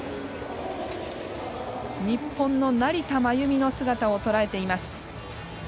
日本の成田真由美の姿をとらえています。